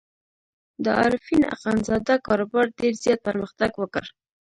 د عارفین اخندزاده کاروبار ډېر زیات پرمختګ وکړ.